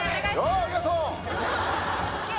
ああありがとう！